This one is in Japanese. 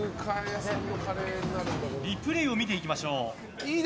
リプレーを見ていきましょう。